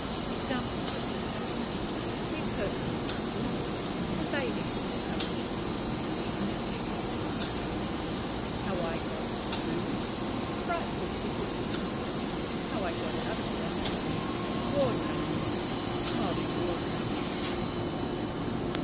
Examples of the Tapu. The Personal Tapu. Evading the Tapu. The Undertaker's Tapu. How I got Tabooed. Frightful Difficulties. How I got out of them. The War Tapu. Maori War Customs.